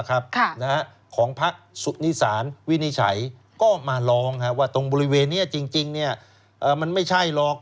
ของพระสุนิสารวินิจฉัยก็มาร้องว่าตรงบริเวณนี้จริงมันไม่ใช่หรอก